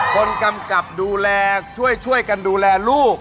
กำกับดูแลช่วยกันดูแลลูก